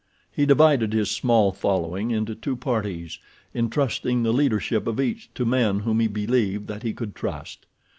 He divided his small following into two parties, entrusting the leadership of each to men whom he believed that he could trust.